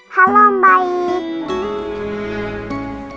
halo om baik